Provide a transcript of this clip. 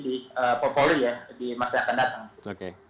di popoli ya di masa yang akan datang